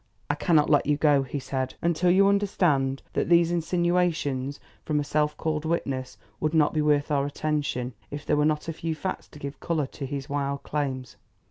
"I cannot let you go," said he, "until you understand that these insinuations from a self called witness would not be worth our attention if there were not a few facts to give colour to his wild claims.